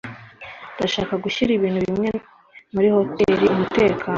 Ndashaka gushyira ibintu bimwe muri hoteri umutekano.